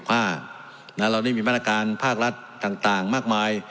และเรานี่มีแม่นการภาครัฐต่างมากมาย